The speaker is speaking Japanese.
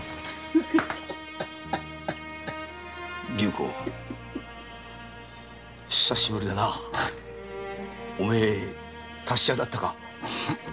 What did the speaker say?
龍虎久しぶりだなお前達者だったか？